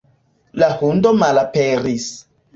La hundo malaperis.